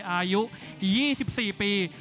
อายุ๒๔ปี